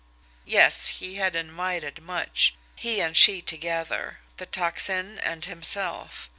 Yes; he had invited much he and she together the Tocsin and himself.